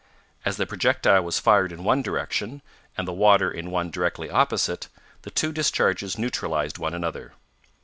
As the projectile was fired in one direction, and the water in one directly opposite, the two discharges neutralized one another.